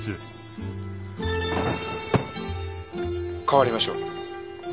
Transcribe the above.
代わりましょう。